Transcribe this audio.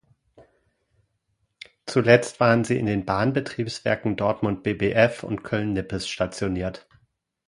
Zuletzt waren sie in den Bahnbetriebswerken Dortmund Bbf und Köln-Nippes stationiert.